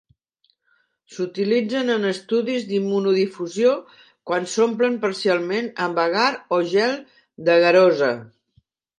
S'utilitzen en estudis d'immunodifusió quan s'omplen parcialment amb agar o gel d'agarosa.